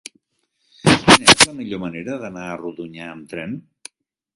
Quina és la millor manera d'anar a Rodonyà amb tren?